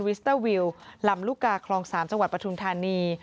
สเตอร์วิวลำลูกกาคลอง๓จังหวัดปทุมธานี